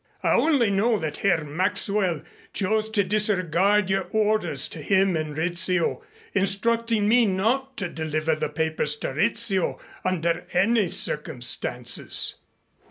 I only know that Herr Maxwell chose to disregard your orders to him and Rizzio, instructing me not to deliver the papers to Rizzio under any circumstances."